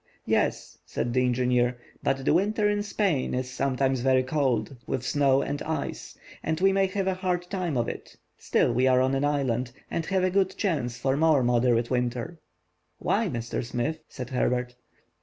"Yes," said the engineer, "but the winter in Spain is sometimes very cold, with snow and ice, and we may have a hard time of it. Still we are on an island, and have a good chance for more moderate weather." "Why, Mr. Smith?" said Herbert.